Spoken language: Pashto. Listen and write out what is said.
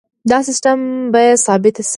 دا سیستم بیې ثابت ساتي.